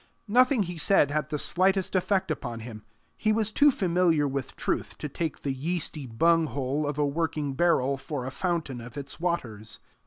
Nothing he said had the slightest effect upon him. He was too familiar with truth to take the yeasty bunghole of a working barrel for a fountain of its waters.